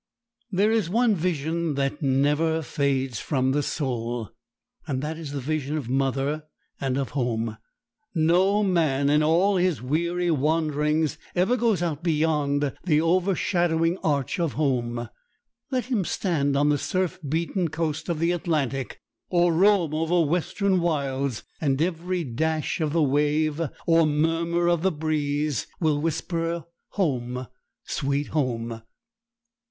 There is one vision that never fades from the soul, and that is the vision of mother and of home. No man in all his weary wanderings ever goes out beyond the overshadowing arch of home. Let him stand on the surf beaten coast of the Atlantic, or roam over western wilds, and every dash of the wave or murmur of the breeze will whisper home, sweet home!